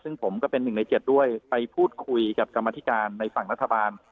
ซึ่งผมก็เป็น๑ใน๗ด้วยไปพูดคุยกับกรรมธิการในฝั่งรัฐบาล